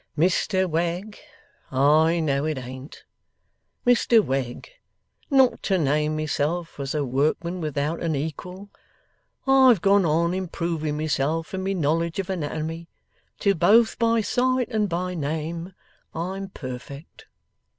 'Mr Wegg, I know it ain't. Mr Wegg, not to name myself as a workman without an equal, I've gone on improving myself in my knowledge of Anatomy, till both by sight and by name I'm perfect.